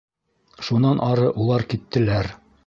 Шунан ары улар киттеләр.